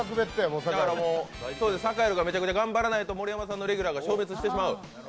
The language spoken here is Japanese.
サカエルがめちゃくちゃ頑張らないと盛山さんのレギュラーが消滅してしまう。